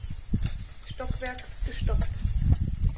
Stockwerks gestoppt.